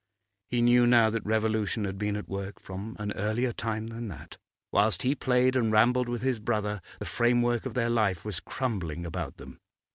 He knew now that revolution had been at work from an earlier time than that; whilst he played and rambled with his brother the framework of their life was crumbling about them.